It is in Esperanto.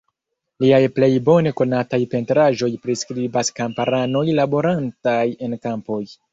Liaj plej bone konataj pentraĵoj priskribas kamparanoj laborantaj en kampoj.